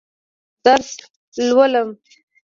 درس لولم.